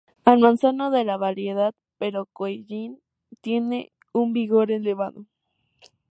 El manzano de la variedad 'Pero de Cehegín' tiene un vigor elevado.